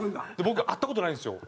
僕会った事ないんですよ。